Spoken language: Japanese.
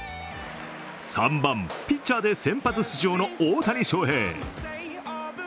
３番・ピッチャーで先発出場の大谷翔平。